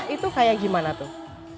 itu kayak gimana tuh